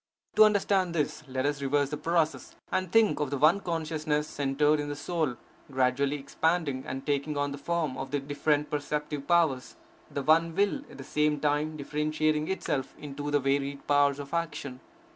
To understand this, let us reverse the process, and think of the one consciousness, centred in the Soul, gradually expanding and taking on the form of the different perceptive powers; the one will, at the same time, differentiating itself into the varied powers of action.